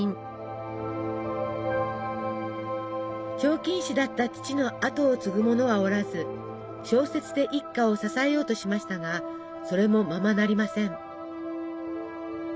彫金師だった父の跡を継ぐ者はおらず小説で一家を支えようとしましたがそれもままなりません。